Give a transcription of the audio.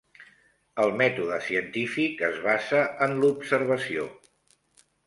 El mètode científic es basa en l'observació.